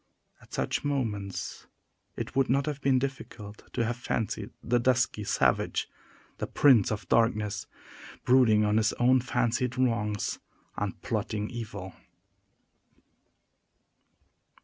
At such moments it would not have been difficult to have fancied the dusky savage the Prince of Darkness brooding on his own fancied wrongs, and plotting evil.